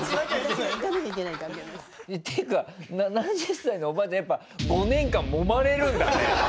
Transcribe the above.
っていうか７０歳のおばあちゃんやっぱ５年間もまれるんだね。